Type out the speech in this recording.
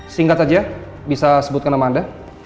singkat saja bisa sebutkan nama anda